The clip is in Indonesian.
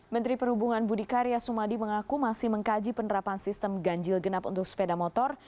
menteri perhubungan budi karya sumadi mengaku masih mengkaji penerapan sistem ganjil genap untuk sepeda motor